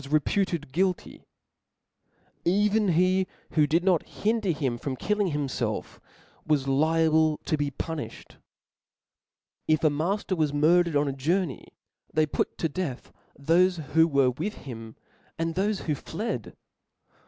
Con reputed guilty ; even he who did not hinder him from •^?) Leg. "' killing himfelf, was liable to be puniflied Q), If |»i.fF. 3 matter was murdered on a journey, they put to Confult. * death (") thofe who were with him, and thofe who («)!%, X.